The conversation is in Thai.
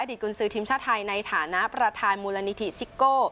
อดีตกุญศือทิมชาไทยในฐานะประธานมูลนิถิซิโก้